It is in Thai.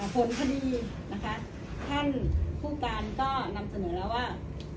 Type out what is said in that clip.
ผลคดีนะคะท่านผู้การก็นำเสนอแล้วว่า